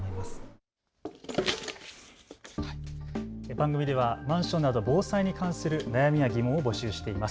番組ではマンションなど防災に関する悩みや疑問を募集しています。